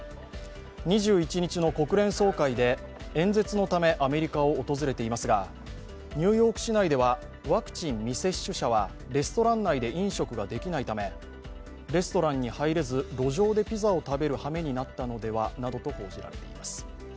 ２１日の国連総会で演説のためアメリカを訪れていますが、ニューヨーク市内ではワクチン未接種者はレストラン内で飲食ができないためレストランに入れず、路上でピザを食べるはめになったのではなどと報じられています。